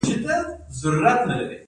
د لوګر باغونه انګور لري.